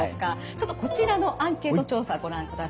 ちょっとこちらのアンケート調査ご覧ください。